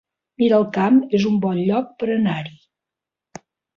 Miralcamp es un bon lloc per anar-hi